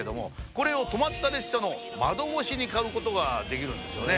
これを止まった列車の窓越しに買うことができるんですよね。